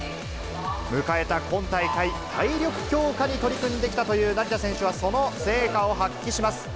迎えた今大会、体力強化に取り組んできたという成田選手はその成果を発揮します。